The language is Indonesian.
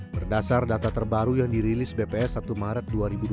berdasar data terbaru yang dirilis bps satu maret dua ribu dua puluh